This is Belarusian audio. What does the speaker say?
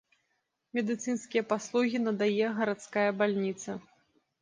Медыцынскія паслугі надае гарадская бальніца.